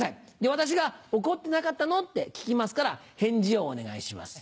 私が「怒ってなかったの？」って聞きますから返事をお願いします。